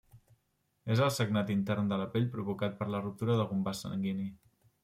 És el sagnat intern de la pell provocat per la ruptura d'algun vas sanguini.